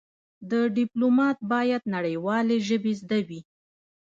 د ډيپلومات بايد نړېوالې ژبې زده وي.